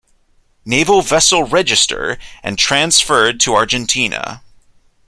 Naval Vessel Register, and transferred to Argentina.